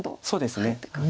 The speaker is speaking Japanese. そうですね。